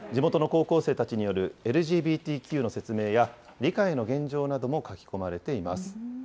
地元の高校生たちによるＬＧＢＴＱの説明や、理解の現状なども書き込まれています。